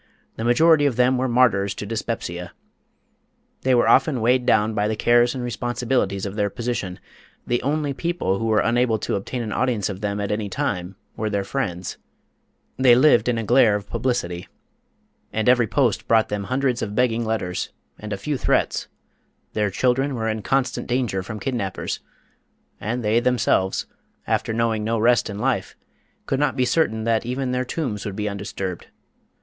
The majority of them were martyrs to dyspepsia. They were often weighed down by the cares and responsibilities of their position; the only people who were unable to obtain an audience of them at any time were their friends; they lived in a glare of publicity, and every post brought them hundreds of begging letters, and a few threats; their children were in constant danger from kidnappers, and they themselves, after knowing no rest in life, could not be certain that even their tombs would be undisturbed.